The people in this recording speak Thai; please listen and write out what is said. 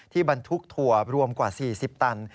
บรรทุกถั่วรวมกว่า๔๐ตัน